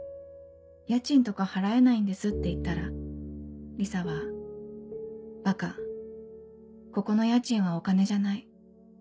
「家賃とか払えないんです」って言ったらリサは「バカここの家賃はお金じゃない。